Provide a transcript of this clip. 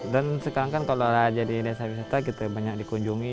dan sekarang kan kalau jadi desa wisata kita banyak dikunjungi